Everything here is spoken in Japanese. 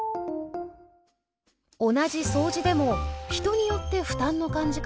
同じ掃除でも人によって負担の感じ方は異なり